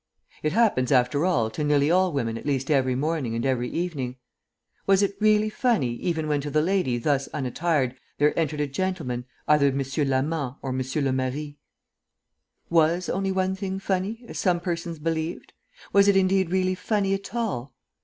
It happens, after all, to nearly all women at least every morning and every evening. Was it really funny even when to the lady thus unattired there entered a gentleman, either M. l'Amant or M. le Mari? Was only one thing funny, as some persons believed? Was it indeed really funny at all?